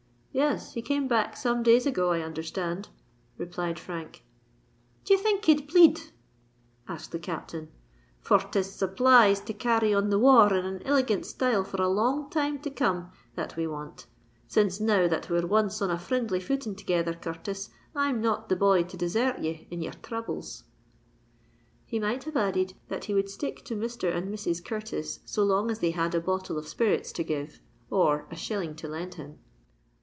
"Yes: he came back some days ago, I understand," replied Frank. "D'ye think he'd bleed?" asked the Captain: "for 'tis supplies to carry on the war r in an iligant style for a long time to come, that we want; since now that we're once on a frindly footing together, Curtis, I'm not the boy to desert ye in your throubles." He might have added that he would stick to Mr. and Mrs. Curtis so long as they had a bottle of spirits to give, or a shilling to lend him.